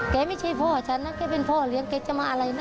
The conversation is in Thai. ไม่ใช่พ่อฉันนะแกเป็นพ่อเลี้ยงแกจะมาอะไรนะ